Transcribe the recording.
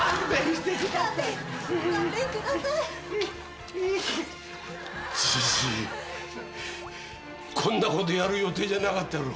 ジジイこんなことやる予定じゃなかったろ。